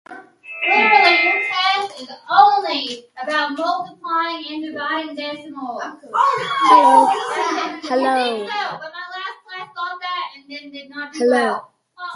They are Royal Chief Chaplains whose office is to serve the Spanish army.